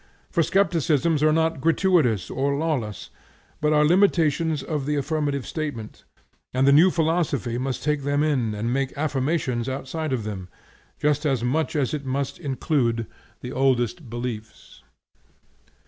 For skepticisms are not gratuitous or lawless, but are limitations of the affirmative statement, and the new philosophy must take them in and make affirmations outside of them, just as much as it must include the oldest beliefs.